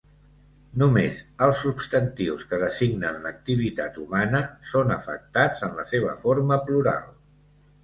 Només els substantius que designen l'activitat humana són afectats en la seva forma plural.